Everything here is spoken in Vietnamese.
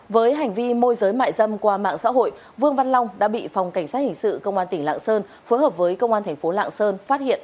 với hành vi môi giới mại dâm qua mạng xã hội vương văn long đã bị phòng cảnh sát hình sự công an tỉnh lạng sơn